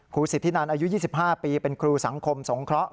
สิทธินันอายุ๒๕ปีเป็นครูสังคมสงเคราะห